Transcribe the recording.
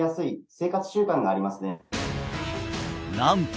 なんと！